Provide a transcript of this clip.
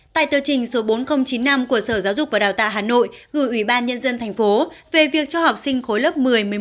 tại tờ trình số bốn nghìn chín mươi năm của sở giáo dục và đào tạo hà nội gửi ủy ban nhân dân thành phố về việc cho học sinh khối lớp một mươi một mươi một